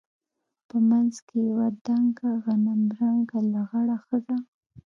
په منځ کښې يوه دنګه غنم رنګه لغړه ښځه.